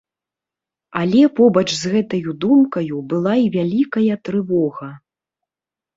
Але побач з гэтаю думкаю была і вялікая трывога.